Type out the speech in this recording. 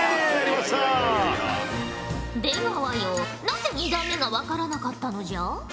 なぜ２段目が分からなかったのじゃ？